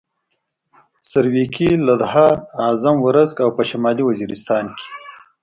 سرویکي، لدها، اعظم ورسک او په شمالي وزیرستان کې.